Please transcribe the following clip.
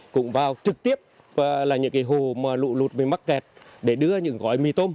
cũng vào trực tiếp những hồ lụt mắc kẹt để đưa những gói mì tôm